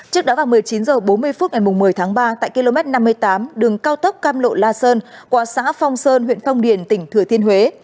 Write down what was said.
trước đó vào một mươi chín h bốn mươi phút ngày một mươi tháng ba tại km năm mươi tám đường cao tốc cam lộ la sơn qua xã phong sơn huyện phong điền tỉnh thừa thiên huế